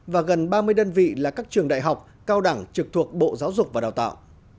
và gần ba mươi đơn vị là các trường đại học cao đẳng trực thuộc bộ giáo dục và đào tạo